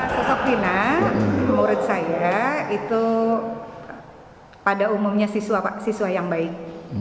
sosok dina murid saya itu pada umumnya siswa yang baik